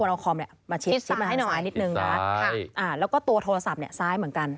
อ่าแล้วก็ตัวโทรศัพท์ซ้ายเหมือนกัน